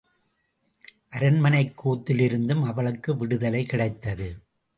அரண்மனைக் கூத்திலிருந்தும் அவளுக்கு விடுதலை கிடைத்தது.